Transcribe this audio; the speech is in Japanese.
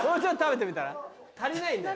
足りないんだよ。